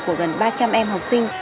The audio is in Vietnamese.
của gần ba trăm linh em học sinh